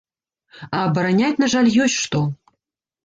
А абараняць, на жаль, ёсць што.